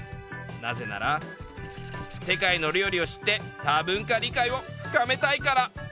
「なぜなら世界の料理を知って多文化理解を深めたいから」。